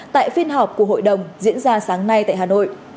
tại phiên họp của hội đồng diễn ra sáng nay tại hà nội